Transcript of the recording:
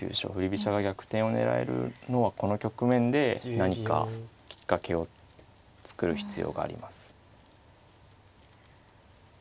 飛車が逆転を狙えるのはこの局面で何かきっかけを作る必要があります。